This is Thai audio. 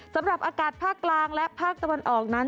สำหรับอากาศภาคกลางและภาคตะวันออกนั้น